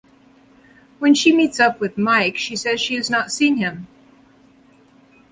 When she meets up with Mike, she says she has not seen him.